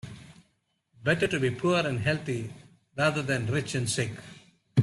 Better to be poor and healthy rather than rich and sick.